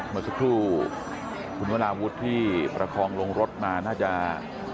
เมื่อสักครู่คุณวราวุฒิที่ประคองลงรถมาน่าจะ